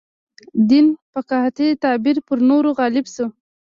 دین فقاهتي تعبیر پر نورو غالب شو.